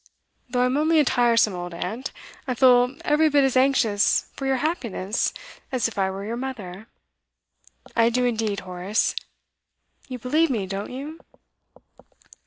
Though I'm only a tiresome old aunt, I feel every bit as anxious for your happiness as if I were your mother I do indeed, Horace. You believe me, don't you?